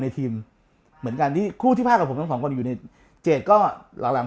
ทีมเหมือนกันที่คู่ที่ภาคกับผมทั้งสองคนอยู่ในเจดก็หลังหลัง